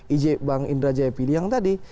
ij bang indra jaya pilih yang tadi